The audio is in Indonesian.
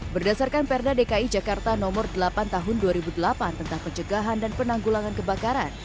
berdasarkan perda dki jakarta nomor delapan tahun dua ribu delapan tentang pencegahan dan penanggulangan kebakaran